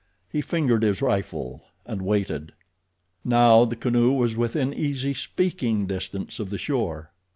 He fingered his rifle, and waited. Now the canoe was within easy speaking distance of the shore.